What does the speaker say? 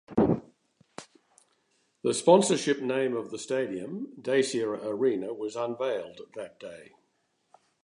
The sponsorship name of the stadium, Dacia Arena, was unveiled that day.